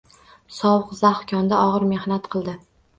Sovuq, zax konda og`ir mehnat qildi